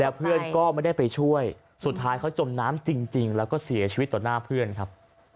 เพื่อนก็ไม่ได้ไปช่วยสุดท้ายเขาจมน้ำจริงแล้วก็เสียชีวิตต่อหน้าเพื่อนครับ